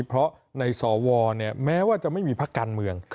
เพราะในสอวรเนี่ยแม้ว่าจะไม่มีภาคการเมือง